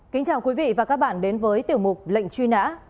kính chào quý vị và các bạn đến với tiểu mục lệnh truy nã